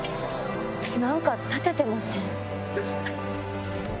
何か立ててません？